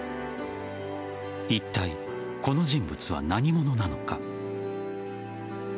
いったい、この人物は何者なのか。